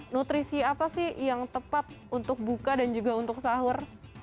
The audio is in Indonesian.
nutrisi apa sih yang tepat untuk buka dan juga untuk sahur